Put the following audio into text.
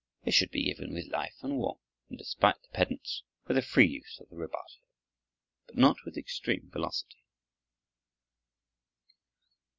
It should be given with life and warmth, and, despite the pedants, with a free use of the rubato, but not with extreme velocity.